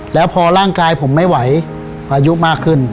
แล้วพอร่างกายผมไม่ไหวอายุมากขึ้น